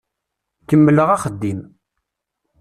Kemmleɣ axeddim.